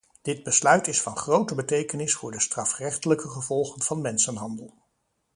Dit besluit is van grote betekenis voor de strafrechtelijke gevolgen van mensenhandel.